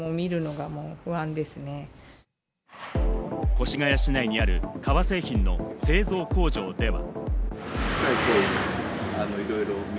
越谷市内にある革製品の製造工場では。